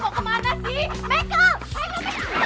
mau kemana sih